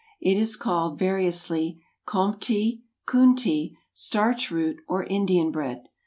It is called, variously, "Comptie," "Coontie," "Starch root," or "Indian bread."